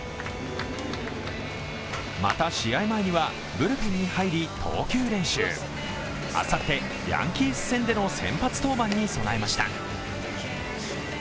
また、試合前にはブルペンに入り投球練習。あさってヤンキース戦での先発登板に備えました。